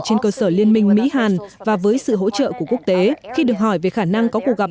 trên cơ sở liên minh mỹ hàn và với sự hỗ trợ của quốc tế khi được hỏi về khả năng có cuộc gặp